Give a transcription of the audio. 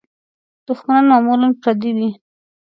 دوښمنان معمولاً پردي وي.